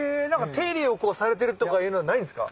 ⁉手入れをされてるとかいうのはないんですか？